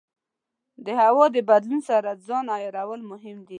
د هوا د بدلون سره ځان عیارول مهم دي.